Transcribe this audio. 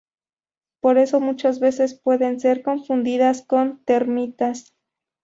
Por eso muchas veces pueden ser confundidas con termitas.